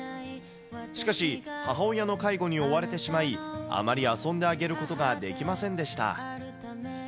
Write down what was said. しかし、母親の介護に追われてしまい、あまり遊んであげることができませんでした。